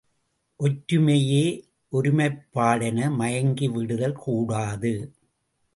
ஒற்றுமையே ஒருமைப்பாடென மயங்கிவிடுதல் கூடாது.